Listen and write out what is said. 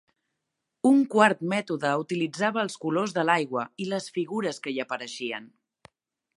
Un quart mètode utilitzava els colors de l'aigua i les figures que hi apareixien.